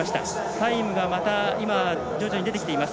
タイムが徐々に出てきています。